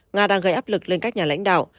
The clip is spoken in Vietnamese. nga đang gây áp lực lên các nhà lãnh đạo